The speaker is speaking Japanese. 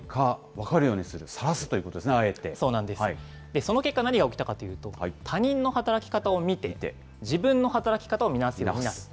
その結果、何が起きたかというと、他人の働き方を見ていて、自分の働き方を見直すようになった。